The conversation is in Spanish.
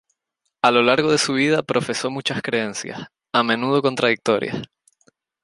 A lo largo de su vida profesó muchas creencias, a menudo contradictorias.